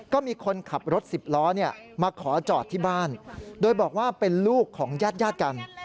ก็มีคนขับรถสิบล้อมาขอจอดที่บ้านโดยบอกว่าเป็นลูกของญาติกัน